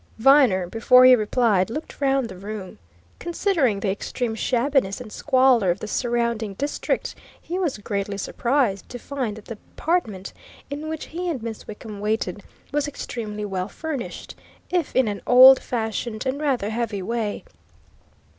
Viner, before he replied, looked round the room. Considering the extreme shabbiness and squalour of the surrounding district, he was greatly surprised to find that the apartment in which he and Miss Wickham waited was extremely well furnished, if in an old fashioned and rather heavy way.